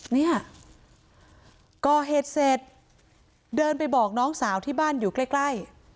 เนี่ยก่อเหตุเสร็จเดินไปบอกน้องสาวที่บ้านอยู่ใกล้